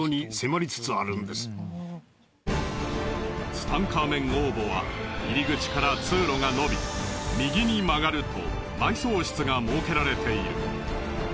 ツタンカーメン王墓は入口から通路が伸び右に曲がると埋葬室が設けられている。